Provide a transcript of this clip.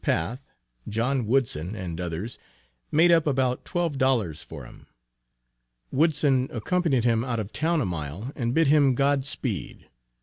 Path, John Woodson and others made up about twelve dollars for him. Woodson accompanied him out of town a mile and bid him "God speed."